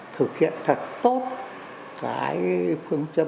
thực hiện thật tốt cái phương châm